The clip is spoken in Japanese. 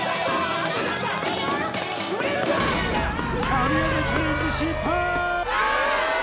神業チャレンジ失敗！